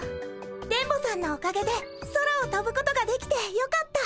電ボさんのおかげで空をとぶことができてよかった。